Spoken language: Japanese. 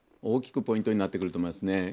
大きくポイントになってくると思いますね。